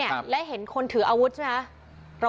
และเห็นคนถืออาวุธใช่ไหมคะ